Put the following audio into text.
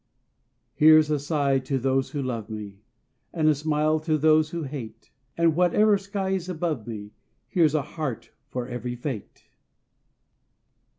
Here's a sigh to those who love me And a smile to those who hate; And whatever sky's above me, Here's a heart for every fate.